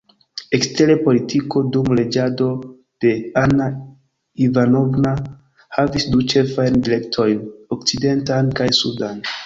Ekstera politiko dum reĝado de Anna Ivanovna havis du ĉefajn direktojn: okcidentan kaj sudan.